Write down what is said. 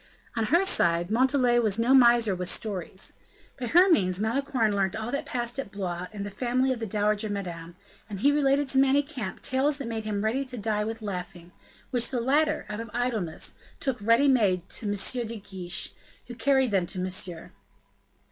On her side, Montalais was no miser with stories. By her means, Malicorne learnt all that passed at Blois, in the family of the dowager Madame; and he related to Manicamp tales that made him ready to die with laughing, which the latter, out of idleness, took ready made to M. de Guiche, who carried them to Monsieur.